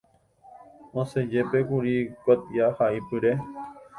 Osẽjepékuri kuatiahaipyre.